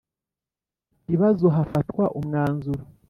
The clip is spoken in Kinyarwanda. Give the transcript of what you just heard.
Kibazo hafatwa umwanzuro